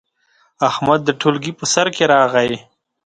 احمد د ټولګي په سر کې راغی.